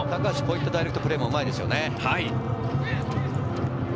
高足、こういったダイレクトプレーも、うまいですよね。